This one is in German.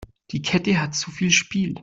Die Kette hat zu viel Spiel.